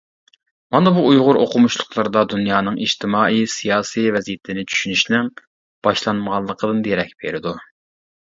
مانا بۇ ئۇيغۇر ئوقۇمۇشلۇقلىرىدا دۇنيانىڭ ئىجتىمائىي، سىياسىي ۋەزىيىتىنى چۈشىنىشنىڭ باشلانمىغانلىقىدىن دېرەك بېرىدۇ.